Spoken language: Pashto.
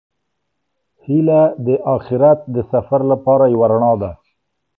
هیله د اخیرت د سفر لپاره یو رڼا ده.